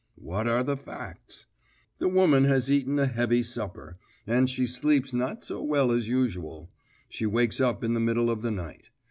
What are the facts? The woman has eaten a heavy supper, and she sleeps not so well as usual; she wakes up in the middle of the night.